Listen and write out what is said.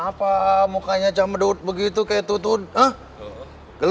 saya bilang ke raya untuk bisa ngertiin abah